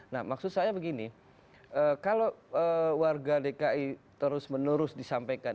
nah maksud saya begini kalau warga dki terus menerus disampaikan